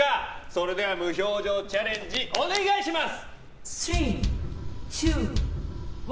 それでは無表情チャレンジお願いします！